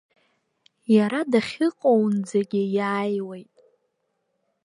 Иара дахьыҟоунӡагьы иааиуеит.